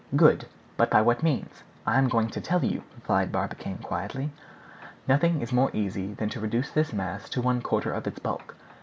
"Good; but by what means?" "I am going to tell you," replied Barbicane quietly. "Nothing is more easy than to reduce this mass to one quarter of its bulk.